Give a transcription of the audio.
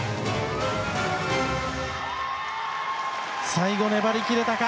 最後粘り切れたか。